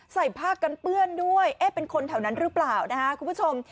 ใส่ผ้ากันเปื้อนด้วยเอ๊ะเป็นคนแถวนั้นหรือเปล่านะฮะคุณผู้ชม